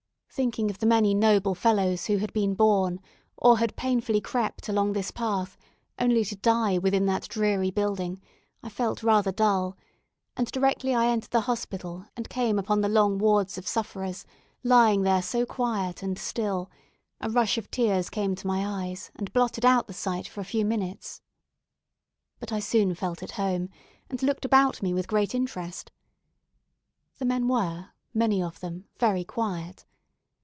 Thinking of the many noble fellows who had been borne, or had painfully crept along this path, only to die within that dreary building, I felt rather dull; and directly I entered the hospital, and came upon the long wards of sufferers, lying there so quiet and still, a rush of tears came to my eyes, and blotted out the sight for a few minutes. But I soon felt at home, and looked about me with great interest. The men were, many of them, very quiet.